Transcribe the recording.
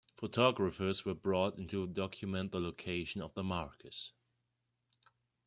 Photographers were brought in to document the location of the markers.